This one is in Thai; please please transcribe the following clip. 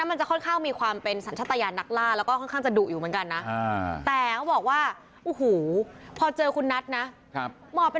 นี่นี่นี่นี่นี่นี่นี่นี่นี่นี่นี่นี่นี่